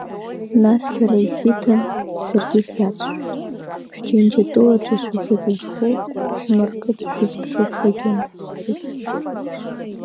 Нас сара исиҭан, саргьы сиацәажәеит, шәџьынџь тәылаҿы шәыхьӡ зху Ҳәмарқыҭ шәызԥшуп ҳәагьы нацсҵеит.